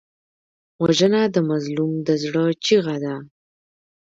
وژنه د مظلوم د زړه چیغه ده